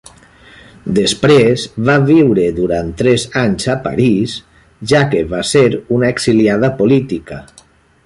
Després va viure durant tres anys a París, ja que va ser una exiliada política.